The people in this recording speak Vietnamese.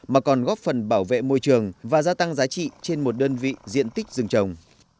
mà còn góp phần bảo vệ môi trường và gia tăng giá trị trên một đơn vị diện tích rừng trồng